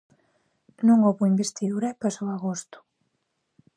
Non houbo investidura e pasou agosto.